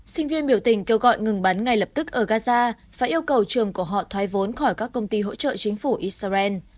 sinh viên biểu tình kêu gọi ngừng bắn ngay lập tức ở gaza và yêu cầu trường của họ thoái vốn khỏi các công ty hỗ trợ chính phủ israel